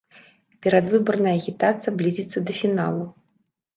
Перадвыбарная агітацыя блізіцца да фіналу.